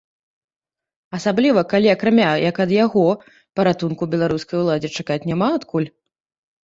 Асабліва, калі акрамя як ад яго, паратунку беларускай уладзе чакаць няма адкуль?